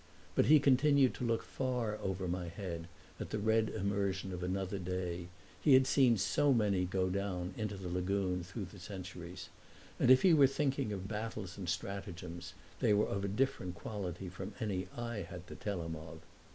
But he continued to look far over my head, at the red immersion of another day he had seen so many go down into the lagoon through the centuries and if he were thinking of battles and stratagems they were of a different quality from any I had to tell him of.